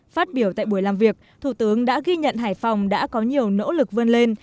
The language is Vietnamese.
phát biểu tại buổi làm việc thủ tướng đã ghi nhận hải phòng đã có nhiều nỗ lực vươn lên